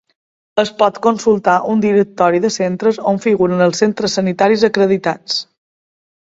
Es pot consultar un directori de centres on figuren els centres sanitaris acreditats.